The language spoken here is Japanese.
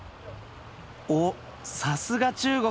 おっさすが中国。